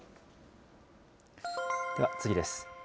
では次です。